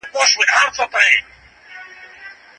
لطیف ننګرهاری